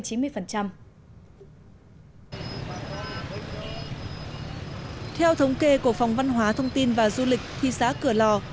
theo thống kê của phòng văn hóa thông tin và du lịch thị xã cửa lò